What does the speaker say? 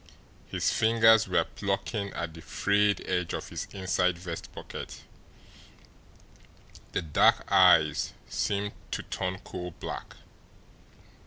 His fingers were plucking at the frayed edge of his inside vest pocket. The dark eyes seemed to turn coal black.